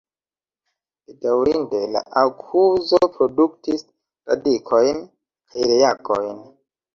Bedaŭrinde, la akuzo produktis radikojn kaj reagojn.